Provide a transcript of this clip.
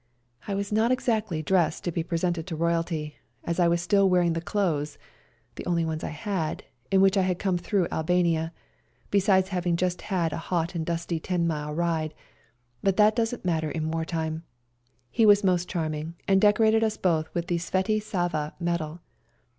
I was not exactly dressed ta be presented to Royalty, as I was still wearing the clothes (the only ones I had) in which I had come through Albania, besides having just had a hot and dusty 10 mile ride, but that doesn't matter in wartime. He was most charming, and decorated us both with the Sveti Sava medal.